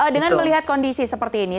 dengan melihat kondisi seperti ini